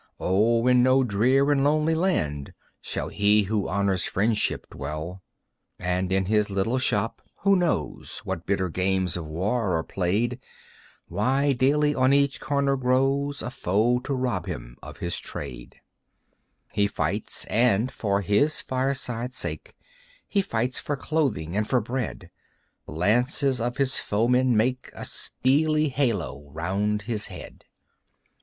O in no drear and lonely land Shall he who honors friendship dwell. And in his little shop, who knows What bitter games of war are played? Why, daily on each corner grows A foe to rob him of his trade. He fights, and for his fireside's sake; He fights for clothing and for bread: The lances of his foemen make A steely halo round his head.